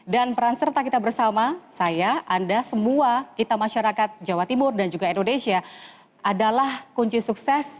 dan peran serta kita bersama saya anda semua kita masyarakat jawa timur dan juga indonesia adalah kunci sukses